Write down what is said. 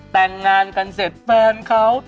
แต่งงานกันเสร็จแฟนเขา